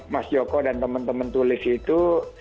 mas joko dan teman teman tulis itu